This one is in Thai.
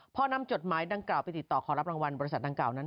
พอนำจดหมายดังกล่าวไปติดต่อขอรับรางวัลบริษัทดังกล่านั้น